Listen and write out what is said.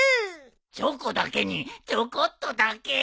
チョコだけにチョコっとだけ。